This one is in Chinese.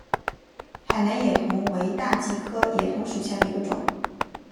海南野桐为大戟科野桐属下的一个种。